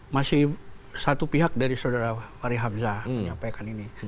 masih satu pihak dari saudara faryamsa menyampaikan ini